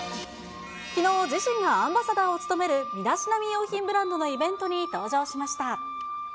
きのう、自身がアンバサダーを務める、身だしなみ用品ブランドのイベントに登場しました。